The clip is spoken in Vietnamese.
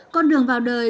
con đường vào đời